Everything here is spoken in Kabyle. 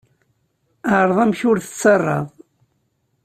Ɛreḍ amek ur tettarraḍ.